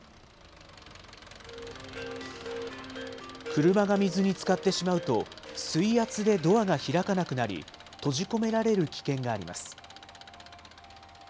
車が水につかってしまうと、水圧でドアが開かなくなり、閉じ込められる危険があります。